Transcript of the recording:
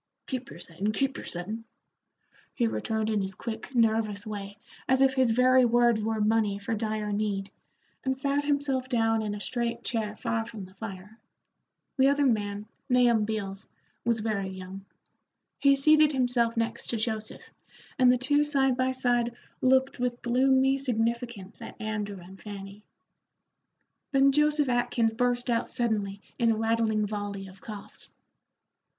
"Keep your settin', keep your settin'," he returned in his quick, nervous way, as if his very words were money for dire need, and sat himself down in a straight chair far from the fire. The other man, Nahum Beals, was very young. He seated himself next to Joseph, and the two side by side looked with gloomy significance at Andrew and Fanny. Then Joseph Atkins burst out suddenly in a rattling volley of coughs.